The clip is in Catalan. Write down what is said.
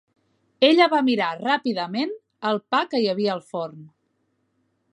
Ella va mirar ràpidament el pa que hi havia al forn.